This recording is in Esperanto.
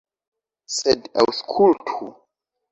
Sed aŭskultu!